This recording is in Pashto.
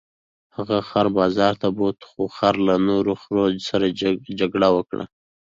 هغه خر بازار ته بوت خو خر له نورو خرو سره جګړه وکړه.